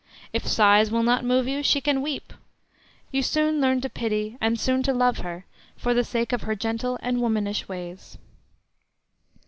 If sighs will not move you, she can weep. You soon learn to pity, and soon to love, her for the sake of her gentle and womanish ways.